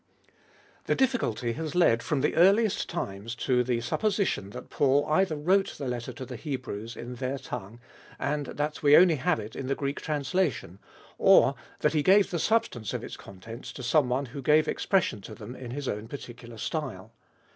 The difficulty has led from the earliest times to the supposi tion that Paul either wrote the letter to the Hebrews in their tongue, and that we only have it in the Greek translation, or that he gave the substance of its contents to someone who gave expression to them in his own peculiar style.